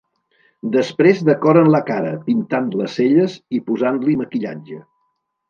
Després decoren la cara, pintant les celles, i posant-li maquillatge.